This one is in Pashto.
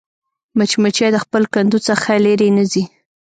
مچمچۍ د خپل کندو څخه لیرې نه ځي